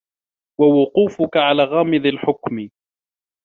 وَوُقُوفِك عَلَى غَامِضِ الْحُكْمِ